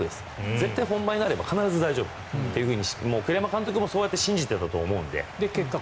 絶対本番になれば必ず大丈夫というふうに栗山監督もそうやって信じていたと思うので。